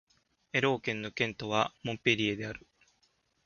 エロー県の県都はモンペリエである